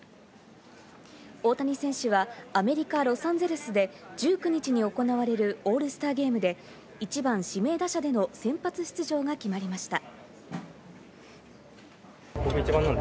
大谷選手はアメリカ・ロサンゼルスで１９日に行われるオールスターゲームで１番・指名打者での先発出場が決まりました。